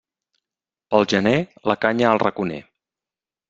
Pel gener, la canya al raconer.